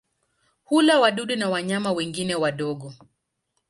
Hula wadudu na wanyama wengine wadogo.